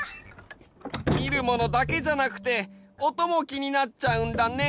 みるものだけじゃなくておともきになっちゃうんだね。